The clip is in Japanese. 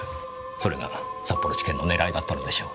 それが札幌地検の狙いだったのでしょう。